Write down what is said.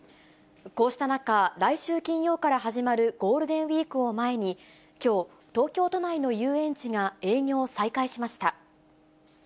こうした中、来週金曜から始まるゴールデンウィークを前に、きょう、東京都内の遊園地が営業を再開しました。